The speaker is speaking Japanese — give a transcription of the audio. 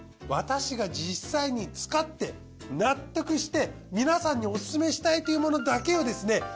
私が実際に使って納得して皆さんにオススメしたいっていうものだけをですね